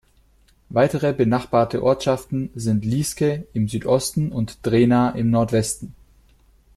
Weitere benachbarte Ortschaften sind Lieske im Südosten und Drehna im Nordwesten.